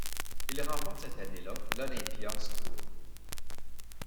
Il remporte cette année-là l'Olympia's Tour.